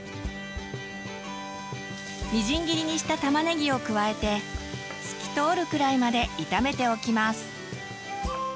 みじん切りにしたたまねぎを加えて透き通るくらいまで炒めておきます。